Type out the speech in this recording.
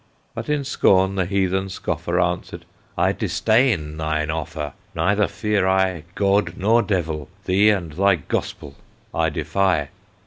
But in scorn the heathen scoffer Answered: "I disdain thine offer; Neither fear I God nor Devil; Thee and thy Gospel I defy!"